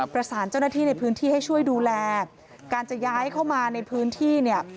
ประสานเจ้าหน้าที่ในพื้นที่ให้ช่วยดูแลการจะย้ายเข้ามาในพื้นที่เนี่ย